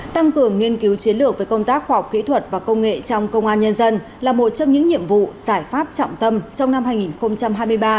tăng cường nghiên cứu chiến lược với công tác khoa học kỹ thuật và công nghệ trong công an nhân dân là một trong những nhiệm vụ giải pháp trọng tâm trong năm hai nghìn hai mươi ba